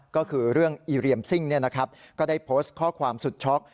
ก็คือเรื่องอีเรียมซิ่งเนี่ยนะครับก็ได้โพสต์ข้อความสุดช็อค